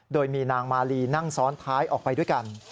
โดยมีนางมาลีนั่งซ้อนท้ายออกไปด้วยกัน